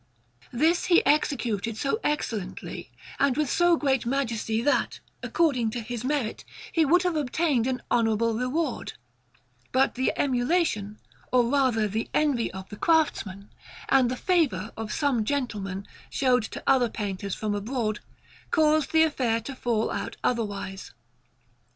This he executed so excellently and with so great majesty that, according to his merit, he would have obtained an honourable reward; but the emulation, or rather, the envy of the craftsmen, and the favour that some gentlemen showed to other painters from abroad, caused the affair to fall out otherwise.